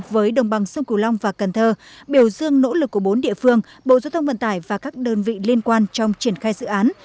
với đồng bằng sông cửu long và cần thơ biểu dương nỗ lực của bốn địa phương bộ giao thông vận tải và các đơn vị liên quan trong triển khai dự án